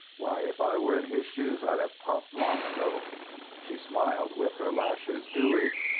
Why, if I were in his shoes, I'd have popped long ago." She smiled with her lashes dewy.